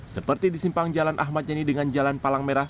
seperti di simpang jalan ahmad yani dengan jalan palang merah